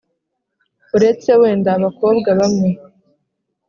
Uretse wenda abakobwa bamwe